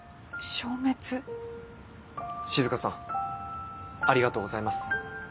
静さんありがとうございます。